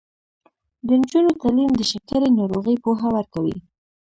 د نجونو تعلیم د شکرې ناروغۍ پوهه ورکوي.